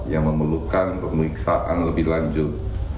yang memerlukan pemeriksaan lebih lanjut